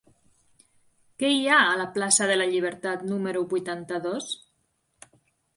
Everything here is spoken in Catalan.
Què hi ha a la plaça de la Llibertat número vuitanta-dos?